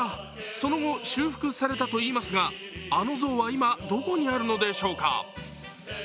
その後、修復されたといいますが、あの像は今、どこにあるのでしょうか？